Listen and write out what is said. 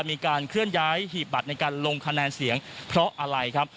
มีการเคลื่อนย้ายหีบบัตรในการลงคะแนนเสียงเพราะอะไรครับ